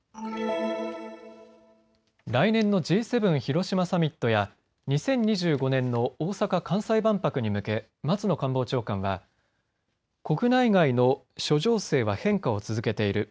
来年のＧ７広島サミットや２０２５年の大阪・関西万博に向け、松野官房長官は国内外の諸情勢は変化を続けている。